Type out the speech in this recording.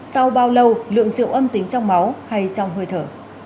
sau bao lâu lượng rượu âm tính trong máu hay trong hơi thở